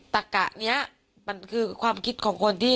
ตะกะนี้มันคือความคิดของคนที่